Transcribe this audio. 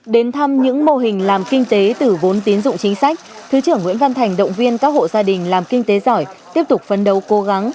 đến thăm những mô hình làm kinh tế từ vốn tiến dụng chính sách thứ trưởng nguyễn văn thành động viên các hộ gia đình làm kinh tế giỏi tiếp tục phấn đấu cố gắng